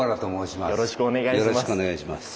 よろしくお願いします。